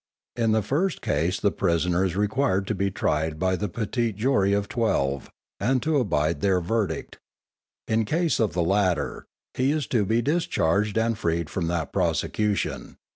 _In the first case the prisoner is required to be tried by the petit jury of twelve, and to abide their verdict; in case of the latter, he is to be discharged and freed from that prosecution.